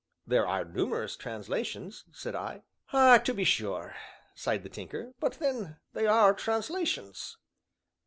"There are numerous translations," said I. "Ah, to be sure!" sighed the Tinker, "but then, they are translations."